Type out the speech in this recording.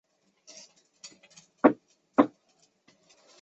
紫红鞘薹草为莎草科薹草属的植物。